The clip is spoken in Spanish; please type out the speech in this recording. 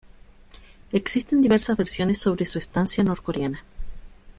Existen diversas versiones sobre su estancia norcoreana.